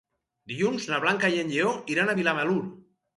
Dilluns na Blanca i en Lleó iran a Vilamalur.